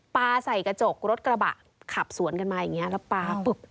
ป่าใส่กระจกรถกระบะขับสวนกันมาแล้วป่า